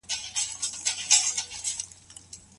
سعید ته د کلي انځورونه ډېر خوند ورکوي.